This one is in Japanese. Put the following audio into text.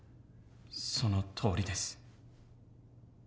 そのとおりです。